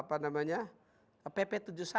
ada pp tujuh puluh satu